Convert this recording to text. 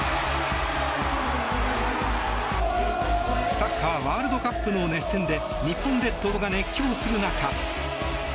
サッカーワールドカップの熱戦で日本列島が熱狂する中。